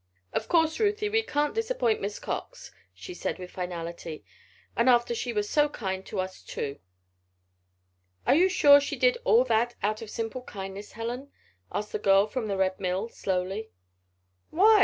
"Of course, Ruthie, we can't disappoint Miss Cox," she said, with finality. "And after she was so kind to us, too." "Are you sure she did all that out of simple kindness, Helen?" asked the girl from the Red Mill, slowly. "Why!